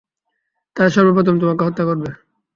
তারা সর্বপ্রথম তোমাকে হত্যা করবে।